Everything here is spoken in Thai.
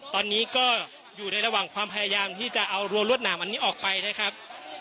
ตอนนี้ก็อยู่ในระหว่างความพยายามที่จะเอารัวรวดหนามอันนี้ออกไปนะครับ